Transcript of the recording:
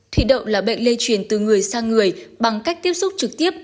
thủy đội là bệnh lây truyền từ người sang người bằng cách tiếp xúc trực tiếp